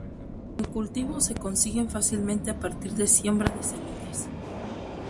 En cultivo se consiguen fácilmente a partir de siembra de semillas.